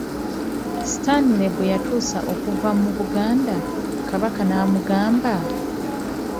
Stanley bwe yatuusa okuva mu Buganda, Kabaka n'amugamba.